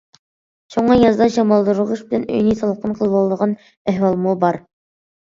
شۇڭا يازدا شامالدۇرغۇچ بىلەن ئۆينى سالقىن قىلىۋالىدىغان ئەھۋالمۇ بار.